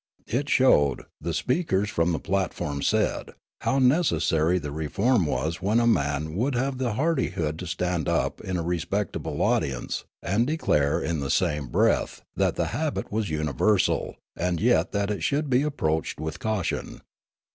It showed, the speakers from the platform said, how necessary the reform was when a man would have the hardihood to stand up in a respectable audience and declare in the same breath that the habit was universal and yet that it should be approached with caution.